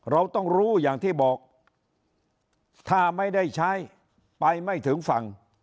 เราต้องรู้อย่างที่บอกถ้าไม่ได้ใช้ไปไม่ถึงฝั่ง